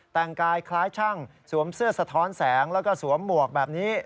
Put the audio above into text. แต่งกายคล้ายช่างสวมเสื้อสะท้อนแสงแล้วก็สวมหมวกแบบนี้